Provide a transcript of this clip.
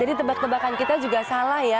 jadi tebak tebakan kita juga salah ya